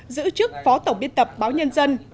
giữ chức phó tổng biên tập báo nhân dân